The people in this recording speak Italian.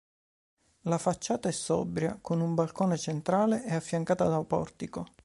La facciata è sobria, con un balcone centrale e affiancata da portico.